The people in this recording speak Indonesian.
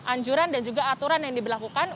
anjuran dan juga aturan yang diberlakukan